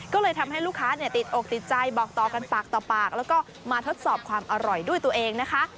ก็เลยทำให้ลูกค้าติดอกติดใจบอกต่อกันปากต่อปากแล้วก็มาทดสอบความอร่อยด้วยตัวเองนะคะ